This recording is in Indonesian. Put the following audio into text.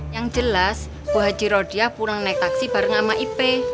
yang jelas bu haji rodia pulang naik taksi bareng ama ipe